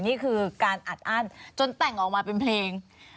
นี่คือการอัดอั้นจนแต่งออกมาเป็นเพลง